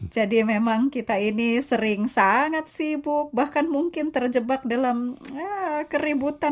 jadi memang kita ini sering sangat sibuk bahkan mungkin terjebak dalam keributan